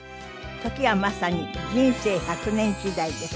時はまさに人生１００年時代です。